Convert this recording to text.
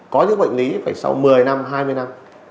có những bệnh lý phải sau một mươi năm hai mươi năm